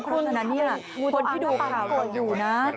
เพราะฉะนั้นคนที่ดูข่าวอยู่นะ